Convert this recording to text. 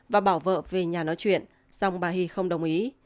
và bảo vợ về nhà nói chuyện xong bà hy không đồng ý